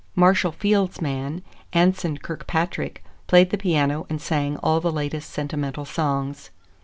Marshall Field's man, Anson Kirkpatrick, played the piano and sang all the latest sentimental songs.